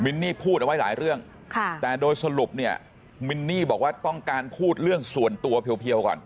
นี่พูดเอาไว้หลายเรื่องแต่โดยสรุปเนี่ยมินนี่บอกว่าต้องการพูดเรื่องส่วนตัวเพียวก่อน